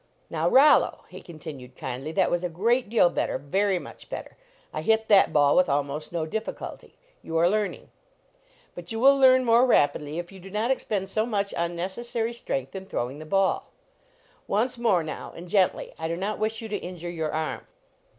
Now Rollo," he continued, kindly , "that was a great deal better; very much better. I hit that ball with almost no difficulty. Vou are learning. But you will learn more rapidly if you do not expend so much unnecessary LEARNING TO PLAY strength in throwing the ball. Once more, now, and gently; I do not wish you to injure your arm."